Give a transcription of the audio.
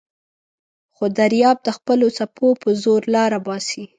خو دریاب د خپلو څپو په زور لاره باسي.